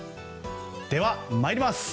では、参ります。